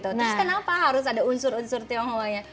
terus kenapa harus ada unsur unsur tionghoa nya